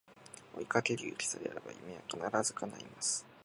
追いかける勇気さえあれば夢は必ず叶います